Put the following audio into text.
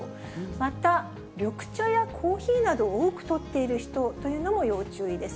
また、緑茶やコーヒーなどを多くとっている人というのも要注意です。